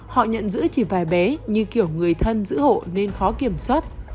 họ nhận giữ chỉ vài bé như kiểu người thân giữ hộ nên khó kiểm soát